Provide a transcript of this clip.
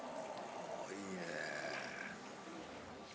・あいいね・・